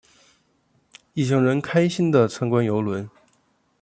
一行人开心的参观邮轮。